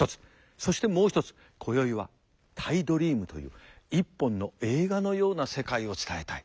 そしてもう一つ今宵はタイドリームという一本の映画のような世界を伝えたい。